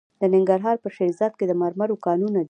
د ننګرهار په شیرزاد کې د مرمرو کانونه دي.